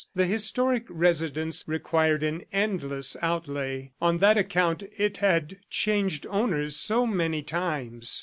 The historic residence required an endless outlay; on that account it had changed owners so many times.